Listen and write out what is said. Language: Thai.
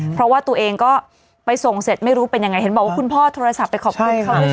เพราะว่าตัวเองก็ไปส่งเสร็จไม่รู้เป็นยังไงเห็นบอกว่าคุณพ่อโทรศัพท์ไปขอบคุณเขาด้วย